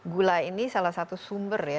gula ini salah satu sumber ya